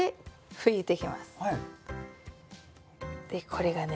これがね